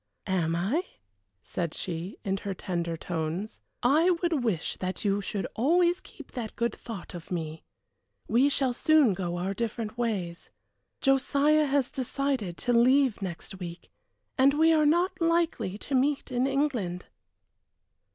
"Am I?" said she, in her tender tones. "I would wish that you should always keep that good thought of me. We shall soon go our different ways. Josiah has decided to leave next week, and we are not likely to meet in England."